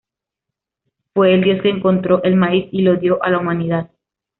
Fue el Dios que encontró el maíz y lo dio a la humanidad.